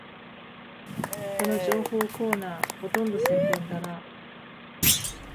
この情報コーナー、ほとんど宣伝だな